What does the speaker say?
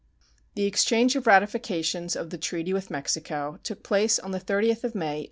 The exchange of ratifications of the treaty with Mexico took place on the 30th of May, 1848.